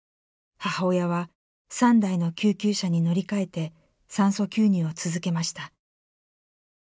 母親は３台の救急車に乗り換えて酸素吸入を続けました。